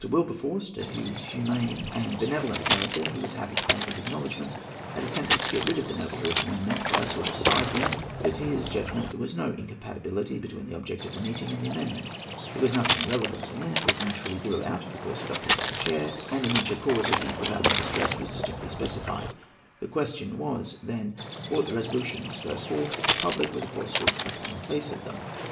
Wilberforce, to whose humane and benevolent Mr. character he was happy to pay his acknowledgments, had attempted to get rid of the noble lord's amendment by a sort of side wind; but to his judgment there was no incompatibility between the object of the meeting and the amendment. There was nothing irrelevant in it; it naturally grew out of the course adopted by the chair, and in which a cause of the prevailing distress was distinctly specified. The question was, then, ought their resolutions to go forth to the public with a falsehood upon the face of them?